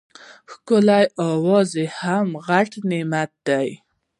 ښکلی اواز هم غټ نعمت دی.